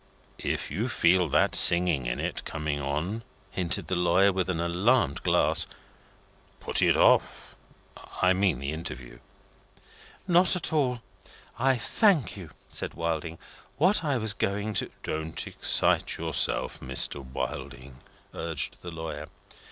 "If you feel that singing in it coming on," hinted the lawyer, with an alarmed glance, "put it off. I mean the interview." "Not at all, I thank you," said Wilding. "What was I going to " "Don't excite yourself, Mr. Wilding," urged the lawyer.